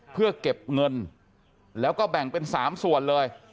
เพื่อเก็บเงินแล้วก็แบ่งเป็น๓ส่วนเลย